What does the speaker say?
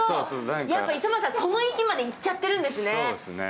磯村さん、その域までいっちゃってるんですね。